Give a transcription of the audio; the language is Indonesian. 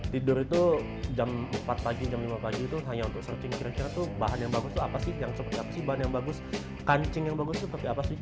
tidur itu jam empat pagi jam lima pagi itu hanya untuk searching kira kira tuh bahan yang bagus itu apa sih yang seperti apa sih bahan yang bagus kancing yang bagus itu seperti apa sih